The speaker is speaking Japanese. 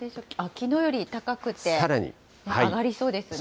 きのうより高くて上がりそうですね。